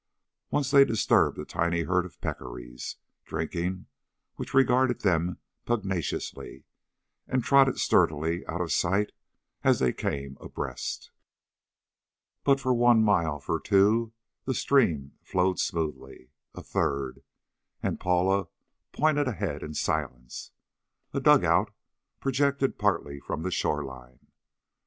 Once they disturbed a tiny herd of peccaries, drinking, which regarded them pugnaciously and trotted sturdily out of sight as they came abreast. But for one mile, for two, the stream flowed smoothly. A third.... And Paula pointed ahead in silence. A dug out projected partly from the shoreline.